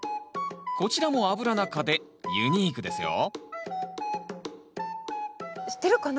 こちらもアブラナ科でユニークですよ知ってるかな？